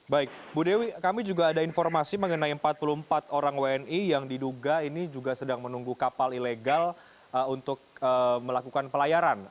baik bu dewi kami juga ada informasi mengenai empat puluh empat orang wni yang diduga ini juga sedang menunggu kapal ilegal untuk melakukan pelayaran